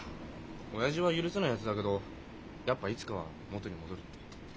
親父は許せないやつだけどやっぱいつかは元に戻るって。